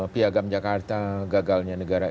piagam jakarta gagalnya negara